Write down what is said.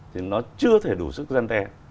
thì nó chưa thể đủ sức gian te